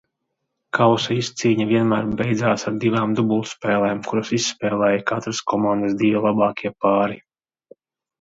Kausa izcīņa vienmēr beidzās ar divām dubultspēlēm, kuras izspēlēja katras komandas divi labākie pāri.